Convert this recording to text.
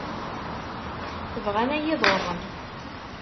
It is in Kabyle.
Bɣan ad iyi-ḍurren.